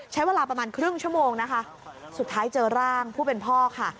ใช้เวลาประมาณครึ่งชั่วโมงนะคะสุดท้ายเจอร่างผู้เป็นพ่อค่ะ